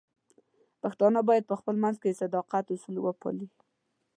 پښتانه بايد په خپل منځ کې د صداقت اصول وپالي.